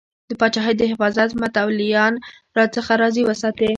د پاچاهۍ د حفاظت متولیان راڅخه راضي وساتې.